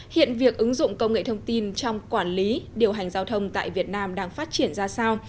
hiện việc ứng dụng công nghệ thông tin trong quản lý điều hành giao thông tại việt nam đang phát triển ra sao